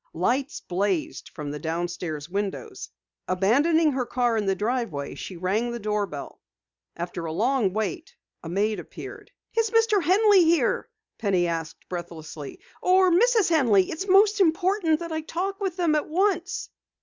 Lights blazed from the downstairs windows. Abandoning her car in the driveway, she rang the doorbell. After a long wait, a maid appeared. "Is Mr. Henley here?" Penny asked breathlessly. "Or Mrs. Henley? It's most important that I talk with them at once."